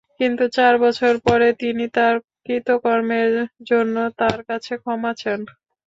কিন্তু চার বছর পরে তিনি তাঁর কৃতকর্মের জন্য তাঁর কাছে ক্ষমা চান।